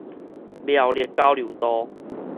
苗栗交流道